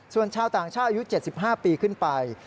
ส่วนชาวต่างชาติอายุ๗๕ปีขึ้นไป